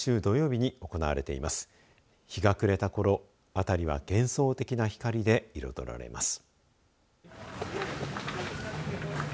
日が暮れたころ辺りは幻想的な光で彩られます。